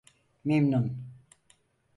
Memnun